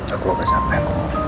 aku gak sampai